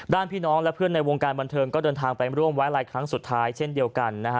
พี่น้องและเพื่อนในวงการบันเทิงก็เดินทางไปร่วมไว้อะไรครั้งสุดท้ายเช่นเดียวกันนะฮะ